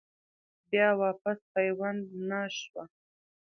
بيا واپس پيوند نۀ شوه ۔